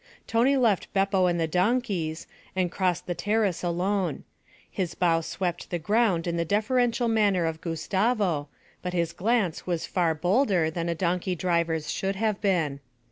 Tony left Beppo and the donkeys, and crossed the terrace alone. His bow swept the ground in the deferential manner of Gustavo, but his glance was far bolder than a donkey driver's should have been.